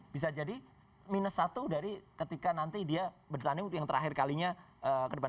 bisa jadi minus satu dari ketika nanti dia bertanding untuk yang terakhir kalinya ke depan